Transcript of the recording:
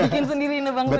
bikin sendiri nebang sendiri